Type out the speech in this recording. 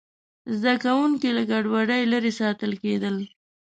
زده کوونکي له ګډوډۍ لرې ساتل کېدل.